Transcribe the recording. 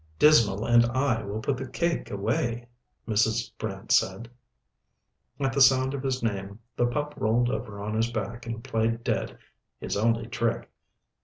"Dismal and I will put the cake away," Mrs. Brant said. At the sound of his name the pup rolled over on his back and played dead, his only trick.